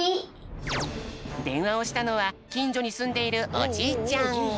でんわをしたのはきんじょにすんでいるおじいちゃん。